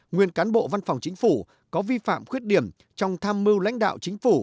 nguyên cán bộ văn phòng chính phủ có vi phạm khuyết điểm trong tham mưu lãnh đạo chính phủ